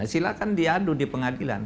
silahkan diadu di pengadilan